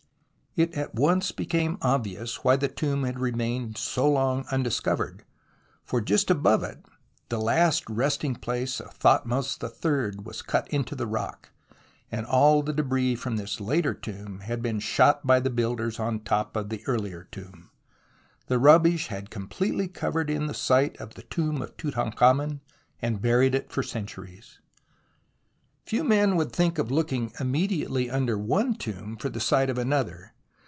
It at once became obvious why the tomb had remained for so long undiscovered, for just above it the last resting place of Thothmes iii was cut into ^ the rock, and all the debris from this later tomb had been shot by the builders on top of the earlier tomb. This rubbish had completely covered in the site of the tomb of Tutankhamen and buried it for centuries. Few men would think of looking immediately under one tomb for the site of another.